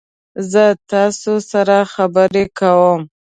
زه تاسو سره خبرې کوم.